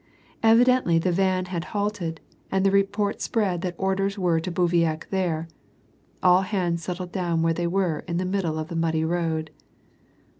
Evidently, the van had halted, and the report si)read that orders were to bivouac there. All hands settled down where they were in the middle of the muddy road.